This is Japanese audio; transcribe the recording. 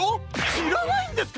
しらないんですか！？